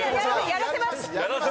やらせます！